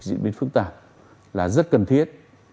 diễn biến phức tạp là rất cần thiết